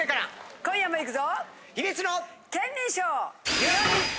今夜もいくぞ！